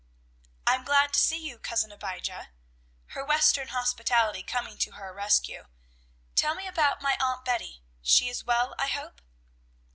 "I'm glad to see you, Cousin Abijah," her Western hospitality coming to her rescue. "Tell me about my Aunt Betty; she is well, I hope."